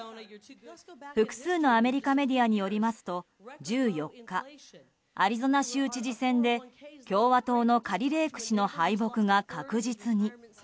複数のアメリカメディアによりますと１４日アリゾナ州知事選で共和党のカリ・レーク氏の敗北が確実に。